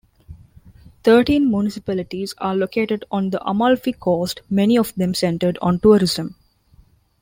Thirteen municipalities are located on the Amalfi Coast, many of them centered on tourism.